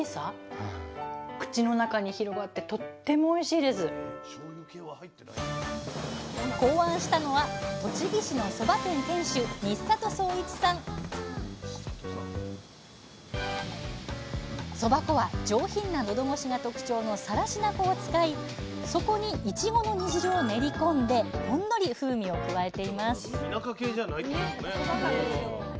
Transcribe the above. なのでまずは頂きました考案したのは栃木市のそば店店主そば粉は上品な喉越しが特徴の更科粉を使いそこにいちごの煮汁を練り込んでほんのり風味を加えています